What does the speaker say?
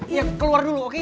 iya keluar dulu oke